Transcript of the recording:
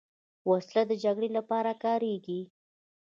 وسله د جګړې لپاره کارېږي